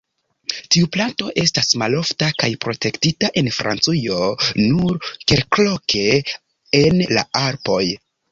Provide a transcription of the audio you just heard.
Tiu planto estas malofta kaj protektita en Francujo, nur kelkloke en la Alpoj.